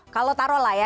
kalau taro lah ya